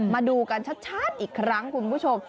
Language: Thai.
มาดูกันชัดอีกครั้งคุณผู้ชม